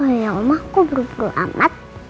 oh iya omah kok buru buru amat